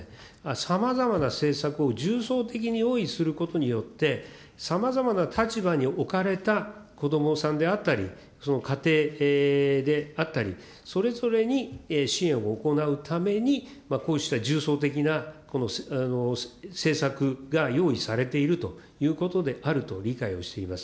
さまざまな政策を重層的に用意することによって、さまざまな立場に置かれた子どもさんであったり、その家庭であったり、それぞれに支援を行うために、こうした重層的な政策が用意されているということであると理解をしています。